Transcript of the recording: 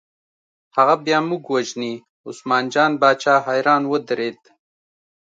هغه بیا موږ وژني، عثمان جان باچا حیران ودرېد.